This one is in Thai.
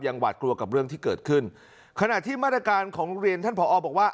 หวาดกลัวกับเรื่องที่เกิดขึ้นขณะที่มาตรการของโรงเรียนท่านผอบอกว่า